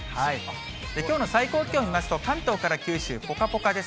きょうの最高気温見ますと、関東から九州、ぽかぽかです。